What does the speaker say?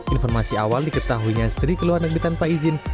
informasi awal diketahuinya sri keluar negeri tanpa izin